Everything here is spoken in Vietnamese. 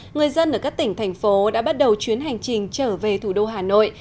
người dân ở các tỉnh thành phố đã bắt đầu chuyến hành trình trở về thủ đô hà nội